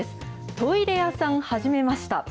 トイレ屋さん始めました！